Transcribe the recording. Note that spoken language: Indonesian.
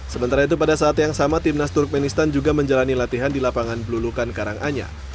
sementara itu pada saat yang sama timnas turkmenistan juga menjalani latihan di lapangan belulukan karanganyar